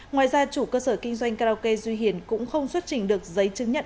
ngoài ra chủ cơ sở kinh doanh karaoke duy hiền cũng không xuất trình được giấy chứng nhận